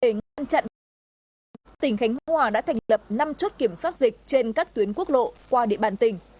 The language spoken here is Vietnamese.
về ngăn chặn tỉnh khánh hóa đã thành lập năm chốt kiểm soát dịch trên các tuyến quốc lộ qua địa bàn tỉnh